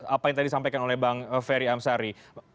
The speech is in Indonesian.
apa yang tadi disampaikan oleh bang ferry amsari